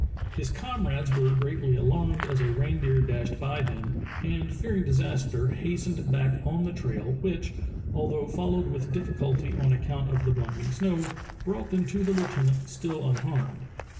His comrades were greatly alarmed as a reindeer dashed by them, and fearing disaster hastened back on the trail, which, although followed with difficulty on account of the blinding snow, brought them to the lieutenant still unharmed.